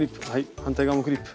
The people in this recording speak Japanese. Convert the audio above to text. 反対側もクリップ。